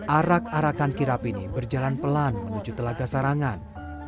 arak arakan kirap ini berjalan pelan menuju telaga sarangan